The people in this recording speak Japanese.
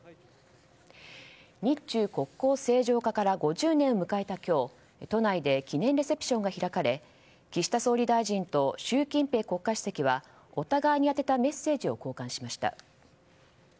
日中国交正常化から５０年を迎えた今日都内で記念レセプションが開かれ岸田総理大臣と習近平国家主席はお互いに宛てたメッセージを交換しました。